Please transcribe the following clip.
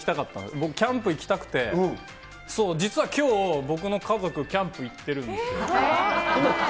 僕、キャンプ行きたくて、そう、実はきょう、僕の家族、キャンプ行ってるんですよ。